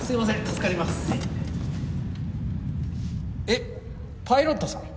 えっパイロットさん！？